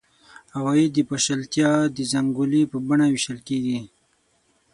عواید د پاشلتیا د زنګولې په بڼه وېشل کېږي.